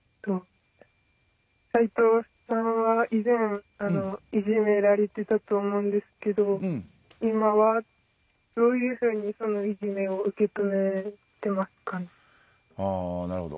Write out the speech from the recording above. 斉藤さんは以前いじめられていたと思うんですけど今はどういうふうにそのいじめを受け止めてますか？